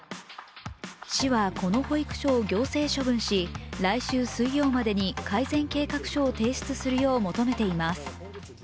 市はこの保育所を行政処分し、来週水曜までに改善計画書を提出するよう求めています。